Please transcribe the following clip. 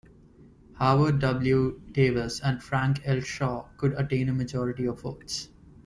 Howard W. Davis and Frank L. Shaw - could attain a majority of votes.